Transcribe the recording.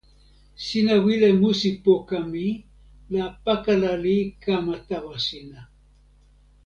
sina wile musi poka mi, la pakala li kama tawa sina.